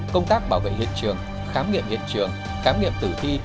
công tác bảo vệ hiện trường khám nghiệm hiện trường khám nghiệm tử thi